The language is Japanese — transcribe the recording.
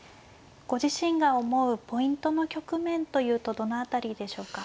ご自身が思うポイントの局面というとどの辺りでしょうか。